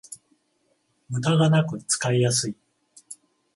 ムダがなく使いやすい